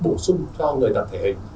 bổ sung cho người tật thể hình